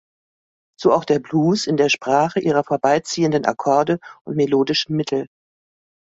So auch der Blues in der Sprache ihrer vorbeiziehenden Akkorde und melodischen Mittel.